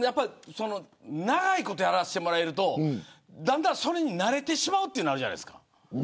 長いことやらせてもらえるとだんだん、それに慣れてしまうのあるじゃないですか。